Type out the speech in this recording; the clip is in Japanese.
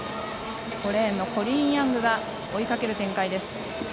５レーンのコリーン・ヤングが追いかける展開です。